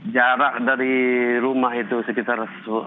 jarak dari rumah itu sekitar